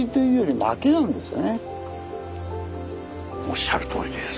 おっしゃるとおりです。